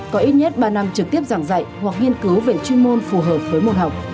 có ít nhất ba năm trực tiếp giảng dạy hoặc nghiên cứu về chuyên môn phù hợp với môn học